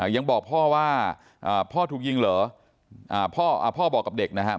ยังบอกพ่อว่าพ่อถูกยิงเหรอพ่อบอกกับเด็กนะครับ